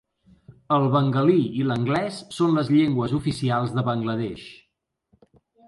El bengalí i l'anglès són les llengües oficials de Bangladesh.